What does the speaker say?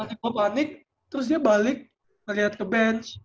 pelatih gue panik terus dia balik ke lihat ke bench